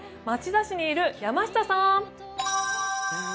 町田市にいる山下さん。